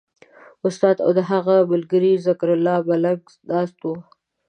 استاد او د هغه ملګری ذکرالله ملنګ ناست وو.